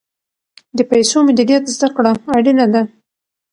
د پیسو مدیریت زده کړه اړینه ده.